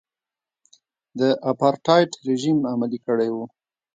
د اپارټایډ رژیم عملي کړی و.